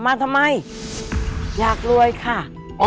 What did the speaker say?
มาทำไมอยากรวยค่ะ